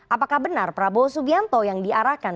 apakah benar prabowo subianto yang diarahkan